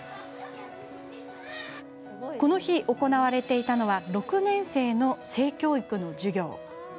この日、行われていたのは６年生の性教育の授業。